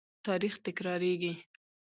تاریخ تکرارېږي.